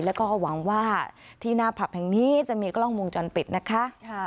แล้วก็หวังว่าที่หน้าผับแห่งนี้จะมีกล้องวงจรปิดนะคะ